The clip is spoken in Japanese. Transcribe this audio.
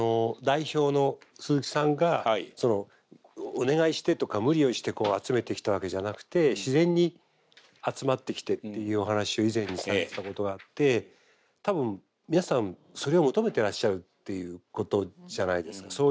代表の鈴木さんがお願いしてとか無理をしてこう集めてきたわけじゃなくて自然に集まってきてっていうお話を以前にされてたことがあって多分皆さんそれを求めてらっしゃるっていうことじゃないですか。